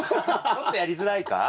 ちょっとやりづらいか？